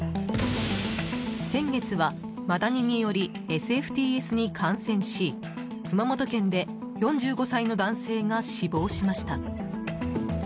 先月は、マダニによりＳＦＴＳに感染し熊本県で４５歳の男性が死亡しました。